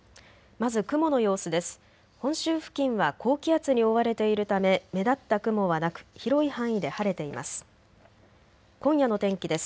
まず雲の様子です。